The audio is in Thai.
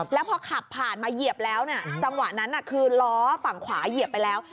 แล้วพอขับผ่านมาเหยียบแล้วจังหวะนั้นคือล้อฝั่งขวาเหยียบไปแล้ว